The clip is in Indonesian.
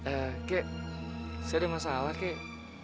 eh kek sih ada masalah kek